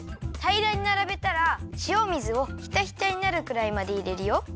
たいらにならべたらしお水をひたひたになるくらいまでいれるよ。